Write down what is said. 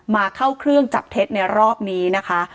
มาเข้าเครื่องจับเท็จในรอบนี้นะคะ